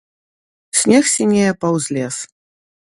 Снег сінее паўз лес.